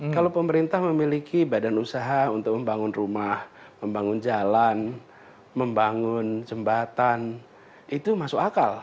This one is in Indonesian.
kalau pemerintah memiliki badan usaha untuk membangun rumah membangun jalan membangun jembatan itu masuk akal